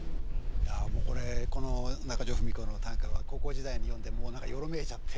いやもうこれこの中城ふみ子の短歌は高校時代に読んでもう何かよろめいちゃって。